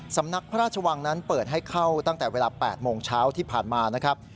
สำนักพระราชวังนั้นเปิดให้เข้าตั้งแต่เวลา๘โมงเช้าที่ผ่านมานะครับ